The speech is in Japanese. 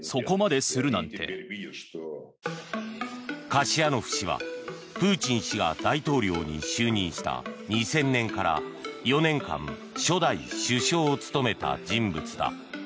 カシヤノフ氏はプーチン氏が大統領に就任した２０００年から４年間初代首相を務めた人物だ。